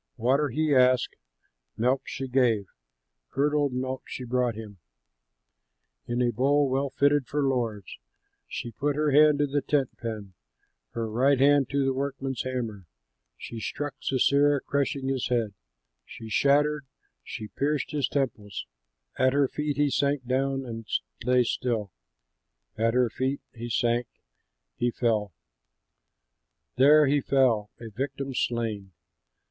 Water he asked, milk she gave, Curdled milk she brought him In a bowl well fitted for lords! She put her hand to the tent pin, Her right hand to the workman's hammer. She struck Sisera, crushing his head, She shattered, she pierced his temples. At her feet he sank down and lay still, At her feet he sank, he fell; There he fell, a victim slain!